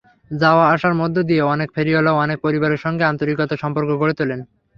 যাওয়া-আসার মধ্য দিয়ে অনেক ফেরিওয়ালা অনেক পরিবারের সঙ্গে আন্তরিকতার সম্পর্কও গড়ে তোলেন।